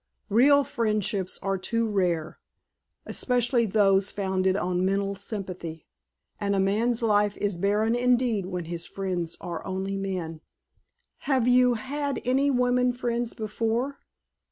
Real friendships are too rare, especially those founded on mental sympathy, and a man's life is barren indeed when his friends are only men." "Have you had any woman friends before?"